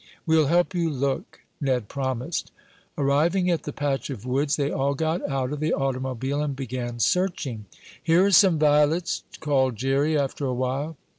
"We'll help you look," Ned promised. Arriving at the patch of woods, they all got out of the automobile and began searching. "Here are some violets," called Jerry after a while.